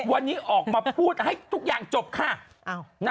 วันนี้ออกมาพูดให้ทุกอย่างจบค่ะ